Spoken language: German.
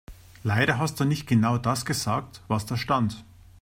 Leider hast du nicht genau das gesagt, was da stand.